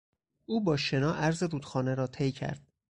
او با شنا عرض رودخانه را طی کرد.